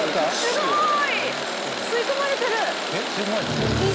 すごーい！